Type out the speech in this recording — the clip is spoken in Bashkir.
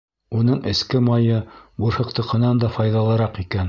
Уның эске майы бурһыҡтыҡынан да файҙалыраҡ икән.